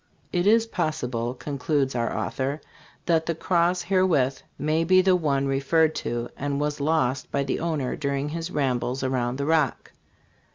It is possible," concludes our author, " that the cross herewith may be the one referred to, and was lost by the owner during his rambles around the Rock."